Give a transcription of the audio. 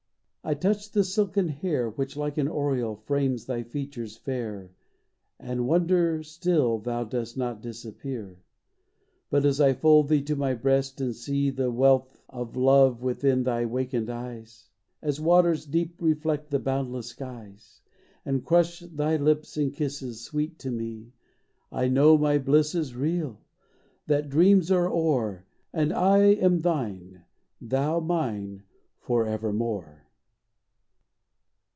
— I touch the silken hair Which like an aureole frames thy features fair And wonder still thou dost not disappear; But as I fold thee to my breast and see The wealth of love within thy wakened eyes, — (As waters deep reflect the boundless skies) And crush thy lips in kisses sweet to me, — I know my bliss is real, that dreams are o'er. And I am thine, thou mine, forevermore!